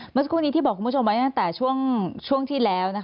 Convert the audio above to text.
เมื่อสักครู่นี้ที่บอกคุณผู้ชมไว้ตั้งแต่ช่วงที่แล้ว